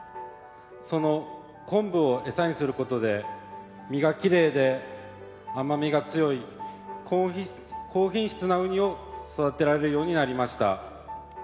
そのコンブを餌にすることで身がきれいで甘みが強い高品質なウニを育てられるようになりました。